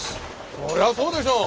そりゃそうでしょう。